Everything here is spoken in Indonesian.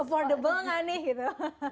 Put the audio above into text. affordable nggak nih gitu